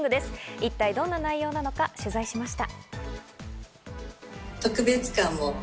一体どんな内容なのか取材しました。